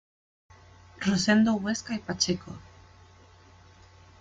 Rosendo Huesca y Pacheco.